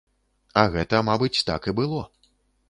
А гэта, мабыць, так і было.